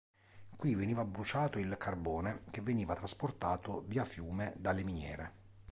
Qui veniva bruciato il carbone che veniva trasportato via fiume dalle miniere.